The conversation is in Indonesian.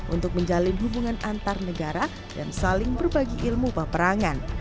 untuk menjalin hubungan antar negara dan saling berbagi ilmu peperangan